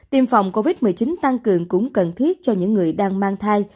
tiêm phòng covid một mươi chín tăng cường cũng cần thiết cho những người đang mang thai